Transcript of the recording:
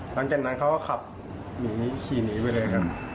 หลังจากนั้นเขาก็ขับหนีขี่หนีไปเลยครับ